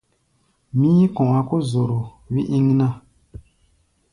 Mí̧í̧-kɔ̧a̧ kó zoro wí íŋ ná.